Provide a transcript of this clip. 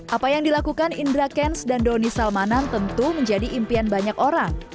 apa yang dilakukan indra kents dan doni salmanan tentu menjadi impian banyak orang